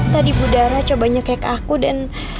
tadi budara coba nyekek aku dan